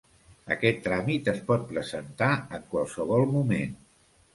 Aquest tràmit es pot presentar en qualsevol moment.